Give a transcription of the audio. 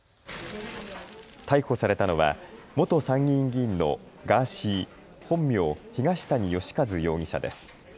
逮捕されたのは元参議院議員のガーシー、本名、東谷義和容疑者です。